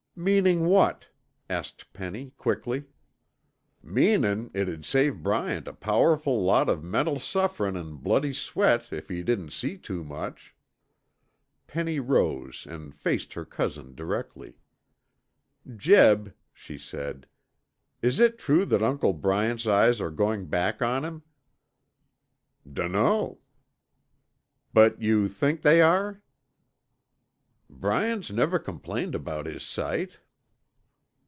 "Meaning what?" asked Penny quickly. "Meanin' it'd save Bryant a powerful lot of mental sufferin' an' bloody sweat if he didn't see too much." Penny rose and faced her cousin directly. "Jeb," she said, "is it true that Uncle Bryant's eyes are going back on him?" "Dunno." "But you think they are?" "Bryant's never complained about his sight."